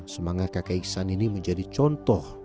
semangat kakek iksan ini menjadi contoh